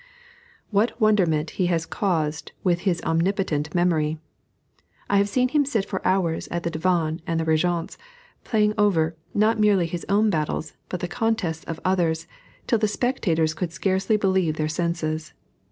What wonderment he has caused with his omnipotent memory! I have seen him sit for hours at the Divan and the Régence, playing over, not merely his own battles, but the contests of others, till the spectators could scarcely believe their senses.